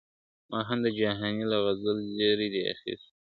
ما هم د جهاني له غزل زېری دی اخیستی !.